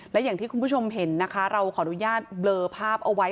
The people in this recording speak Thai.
และอย่างที่คุณผู้ชมเห็นนะคะเราขออนุญาตเบลอภาพเอาไว้